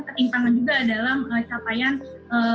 itu juga membuat impangan juga dalam capaian kesehatan ibu dan anak